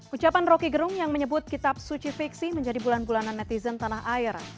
ucapan roky gerung yang menyebut kitab suci fiksi menjadi bulan bulanan netizen tanah air